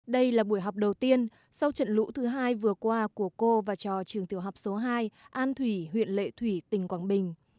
đây là buổi học đầu tiên sau trận lũ thứ hai vừa qua của cô và trò trường tiểu học số hai an thủy huyện lệ thủy tỉnh quảng bình